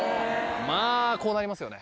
まぁこうなりますよね。